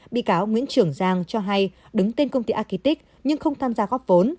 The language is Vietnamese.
bị cáo nguyễn trường giang cho hay đứng tên công ty agitic nhưng không tham gia góp vốn